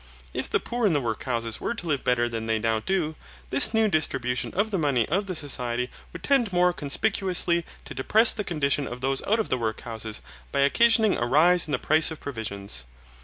If the poor in the workhouses were to live better than they now do, this new distribution of the money of the society would tend more conspicuously to depress the condition of those out of the workhouses by occasioning a rise in the price of provisions.